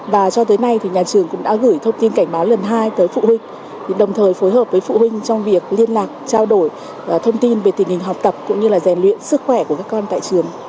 và cho tới nay thì nhà trường cũng đã gửi thông tin cảnh báo lần hai tới phụ huynh đồng thời phối hợp với phụ huynh trong việc liên lạc trao đổi thông tin về tình hình học tập cũng như là rèn luyện sức khỏe của các con tại trường